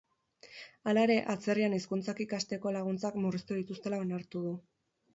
Hala ere, atzerrian hizkuntzak ikasteko laguntzak murriztu dituztela onartu du.